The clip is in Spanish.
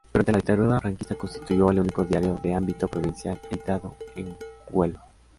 Durante la Dictadura franquista constituyó el único diario de ámbito provincial editado en Huelva.